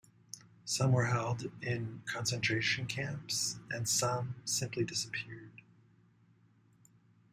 Some were held in concentration camps and some simply disappeared.